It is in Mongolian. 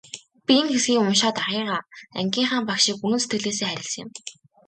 Би энэ хэсгийг уншаад ахыгаа, ангийнхаа багшийг үнэн сэтгэлээсээ хайрласан юм.